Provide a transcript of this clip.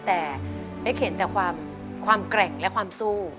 แต่เป๊กเห็นแต่ความแกร่งและความสู้